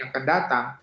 yang akan datang